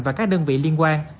và các đơn vị liên quan